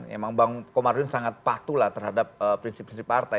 emang bang komarudin sangat patuh lah terhadap prinsip prinsip partai